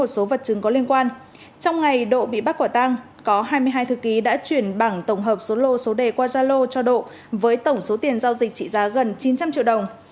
trong số ngày độ bị bắt quả tăng có hai mươi hai thư ký đã chuyển bảng tổng hợp số lô số đề qua zalo cho độ với tổng số tiền giao dịch trị giá gần chín trăm linh triệu đồng